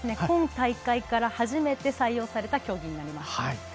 今大会から初めて採用された競技です。